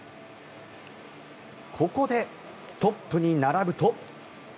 ここでトップに並ぶと。